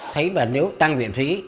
thấy mà nếu tăng viện phí